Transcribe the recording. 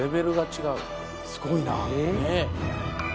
すごいな。